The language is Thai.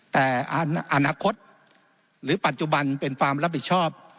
แต่อนาคตหรือปัจจุบันเป็นความรับผิดชอบ